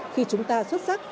khi chúng ta xuất sắc